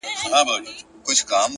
د پوهې ارزښت په کارولو کې دی’